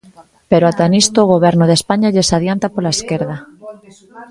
Pero ata nisto o Goberno de España lles adianta pola esquerda.